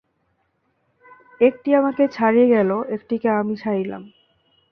একটি আমাকে ছাড়িয়া গেল, একটিকে আমি ছাড়িলাম।